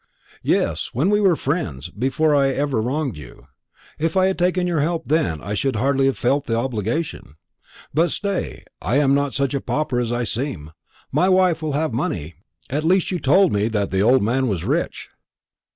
"Yes, when we were friends, before I had ever wronged you. If I had taken your help then, I should hardly have felt the obligation. But, stay, I am not such a pauper as I seem. My wife will have money; at least you told me that the old man was rich."